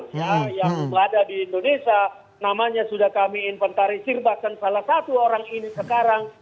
yang ada di indonesia namanya sudah kami inventarisir bahkan salah satu orang ini sekarang